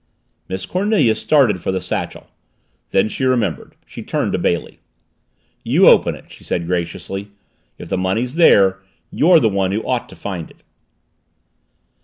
Miss Cornelia started for the satchel. Then she remembered. She turned to Bailey. "You open it," she said graciously. "If the money's there you're the one who ought to find it."